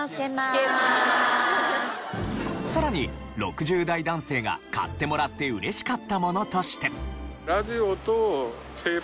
さらに６０代男性が買ってもらって嬉しかったものとして。